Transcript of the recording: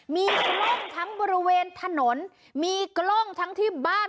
มีกล้องทั้งบริเวณถนนมีกล้องทั้งที่บ้าน